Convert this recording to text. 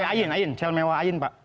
ayin sel mewah ayin pak